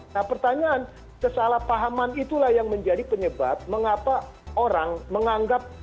nah pertanyaan kesalahpahaman itulah yang menjadi penyebab mengapa orang menganggap